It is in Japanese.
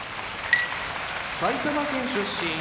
埼玉県出身